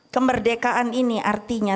kemerdekaan ini artinya